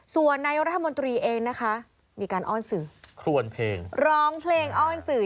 ส่วนนายรัฐมนตรีเองนะคะมีการอ้อนสื่อครวนเพลงร้องเพลงอ้อนสื่อ